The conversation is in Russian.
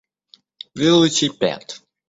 Велосипед!